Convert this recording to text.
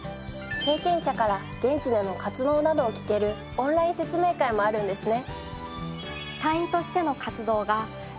経験者から現地での活動などを聞けるオンライン説明会もあるんですね。